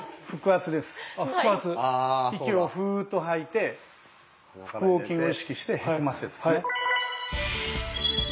息をフーッと吐いて腹横筋を意識してへこませるやつですね。